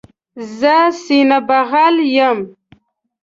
زه سینه بغل یم.